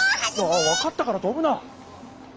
ああわかったからとぶな！